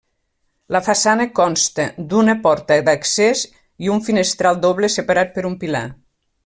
La façana consta d'una porta d'accés i un finestral doble separat per un pilar.